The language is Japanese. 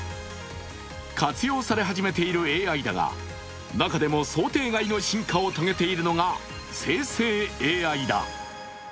活用され始めているＡＩだが中でも想定外の進化を遂げているのが生成ＡＩだ。